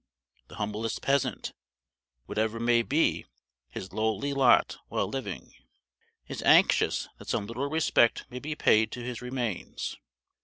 The humblest peasant, whatever may be his lowly lot while living, is anxious that some little respect may be paid to his remains.